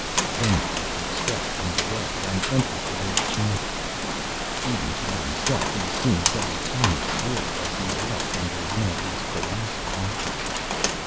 Then Leothric stepped from the way, and entered the great chamber. Even to himself he seemed but a tiny dwarf as he walked under one of those colossal arches.